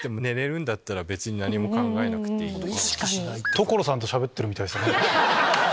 所さんとしゃべってるみたい。